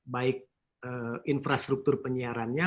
baik infrastruktur penyiarannya